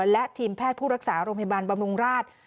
และทีมแพทย์ผู้รักษาโรงพยาบาลบำรุงราช